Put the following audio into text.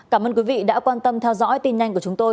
cảm ơn quý vị đã quan tâm theo dõi tin nhanh của chúng tôi